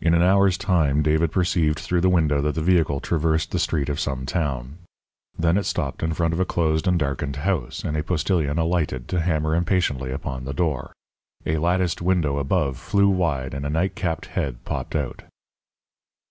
In an hour's time David perceived through the window that the vehicle traversed the street of some town. Then it stopped in front of a closed and darkened house, and a postilion alighted to hammer impatiently upon the door. A latticed window above flew wide and a nightcapped head popped out.